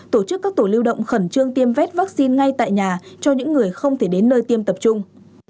tổ chức các tổ lưu động khẩn trương tiêm vét vaccine ngay tại nhà cho những người không thể đến nơi tiêm tập trung